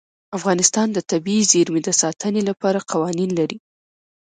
افغانستان د طبیعي زیرمې د ساتنې لپاره قوانین لري.